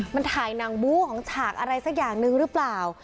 มันถ่ายหนังบู้ของฉากอะไรสักอย่างหนึ่งหรือเปล่า